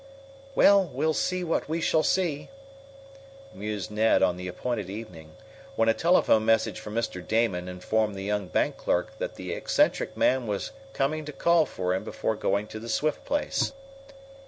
"Well, we'll see what we shall see," mused Ned on the appointed evening, when a telephone message from Mr. Damon informed the young bank clerk that the eccentric man was coming to call for him before going on to the Swift place.